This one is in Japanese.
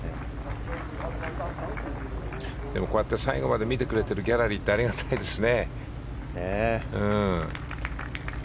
でも、こうやって最後まで見てくれているギャラリーはありがたいですね。